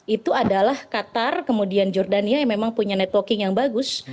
itu adalah qatar kemudian jordania yang memang punya networking yang bagus